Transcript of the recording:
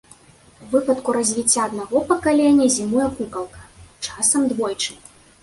У выпадку развіцця аднаго пакалення зімуе кукалка, часам двойчы.